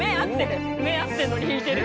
目合ってるのに弾いてる